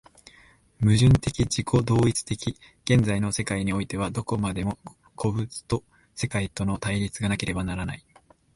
矛盾的自己同一的現在の世界においては、どこまでも個物と世界との対立がなければならない。